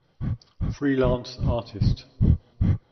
Freelance artist.